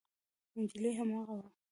نجلۍ هماغه وه.